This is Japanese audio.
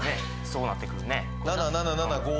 そうなってくるね